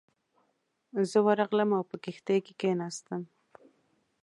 زه ورغلم او په کښتۍ کې کېناستم.